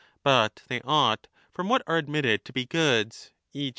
But ao they ought, from what are admitted to be goods, e.